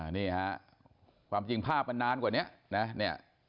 นี่ค่ะความจริงภาพมันนานกว่านี้นะ